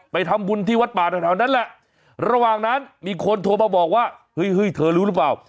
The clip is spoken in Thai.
ไปทำบุญที่วัดป่าแถวนั้นแหละระหว่างนั้นมีคนโทรมาบอกว่าเฮ้ยเธอรู้หรือเปล่า